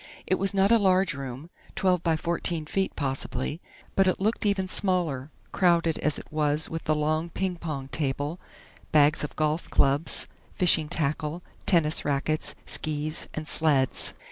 It was not a large room twelve by fourteen feet, possibly but it looked even smaller, crowded as it was with the long ping pong table, bags of golf clubs, fishing tackle, tennis racquets, skis and sleds.